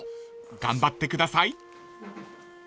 ［頑張ってください］